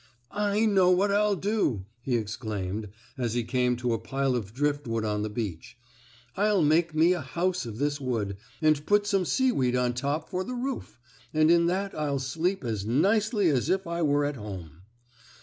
"I know what I'll do!" he exclaimed, as he came to a pile of driftwood on the beach. "I'll make me a house of this wood, and put some seaweed on top for the roof, and in that I'll sleep as nicely as if I were at home."